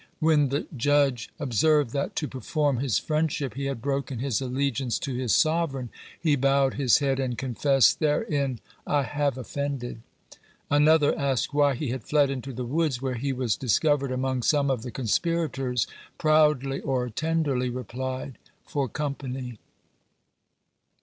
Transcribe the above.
When the judge observed, that, to perform his friendship he had broken his allegiance to his sovereign, he bowed his head and confessed, "Therein I have offended." Another, asked why he had fled into the woods, where he was discovered among some of the conspirators, proudly (or tenderly) replied, "For company!"